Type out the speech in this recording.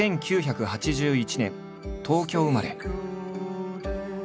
１９８１年東京生まれ。